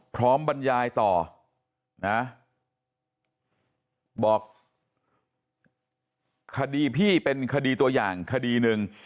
บรรยายต่อนะบอกคดีพี่เป็นคดีตัวอย่างคดีหนึ่ง